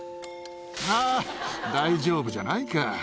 あぁ大丈夫じゃないか。